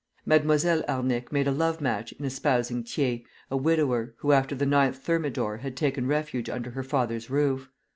Mademoiselle Arnic made a love match in espousing Thiers, a widower, who after the 9th Thermidor had taken refuge under her father's roof.